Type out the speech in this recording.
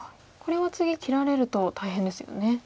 これは次切られると大変ですよね。